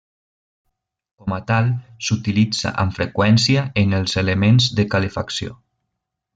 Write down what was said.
Com a tal, s'utilitza amb freqüència en els elements de calefacció.